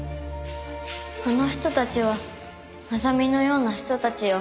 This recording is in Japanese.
あの人たちはアザミのような人たちよ。